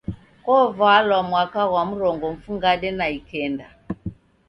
Kovalwa mwaka ghwa mrongo mfungade na ikenda.